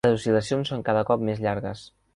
Les oscil·lacions són cada cop més llargues.